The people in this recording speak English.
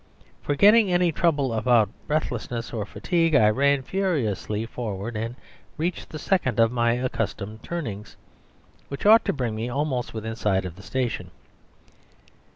Forgetting any trouble about breathlessness or fatigue I ran furiously forward, and reached the second of my accustomed turnings, which ought to bring me almost within sight of the station.